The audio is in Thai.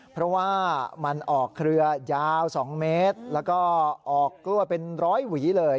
เพราะว่ามันออกเครือยาว๒เมตรแล้วก็ออกกล้วยเป็นร้อยหวีเลย